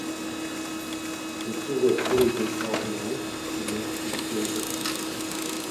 Until we're fully decarbonized, we need to be frugal.